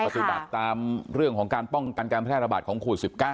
อบบัตรตามเรื่องการกันการแพทย์ระบาดของโค้ง๑๙